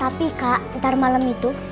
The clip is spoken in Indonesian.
tapi kak ntar malam itu